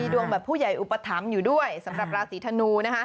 ดวงแบบผู้ใหญ่อุปถัมภ์อยู่ด้วยสำหรับราศีธนูนะคะ